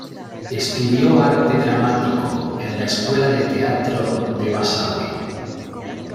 Estudió arte dramático en la Escuela de Teatro de Basauri.